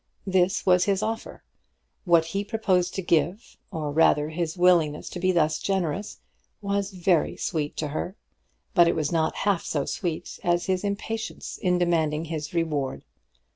This was his offer. What he proposed to give, or rather his willingness to be thus generous, was very sweet to her; but it was not half so sweet as his impatience in demanding his reward.